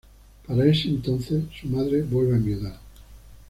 Para ese entonces su madre vuelve a enviudar.